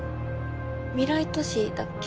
未来都市だっけ？